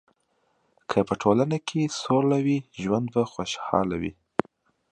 که په ټولنه کې سوله وي، ژوند به خوشحاله وي.